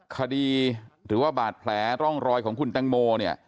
คดีหรือว่าบาดแผลร่องรอยของคุณตังโมเนี่ย